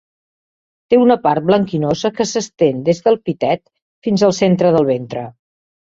Té una part blanquinosa que s'estén des del pitet fins al centre del ventre.